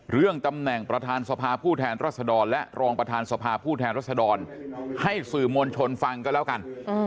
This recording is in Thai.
เรื่องตำแหน่งประธานสภาผู้แทนรัศดรและรองประธานสภาผู้แทนรัศดรให้สื่อมวลชนฟังก็แล้วกัน